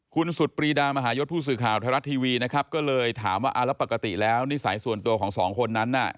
คุณสุดปรีดามหายศผู้สื่อข่าวไทยรัฐทีวีนะครับก็เลยถามว่าแล้วปกติแล้วนิสัยส่วนตัวของสองคนนั้นน่ะ